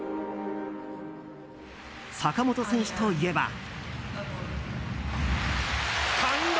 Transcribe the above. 坂本選手といえば。